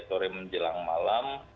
sore menjelang malam